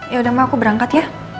yaudah ma aku berangkat ya